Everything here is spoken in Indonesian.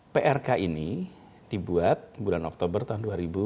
prk ini dibuat bulan oktober tahun dua ribu dua puluh